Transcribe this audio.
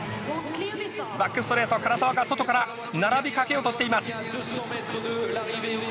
バックストレート、唐澤が外から並びかけようとしています。